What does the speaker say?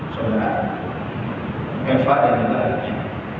saudara eva dan yang lainnya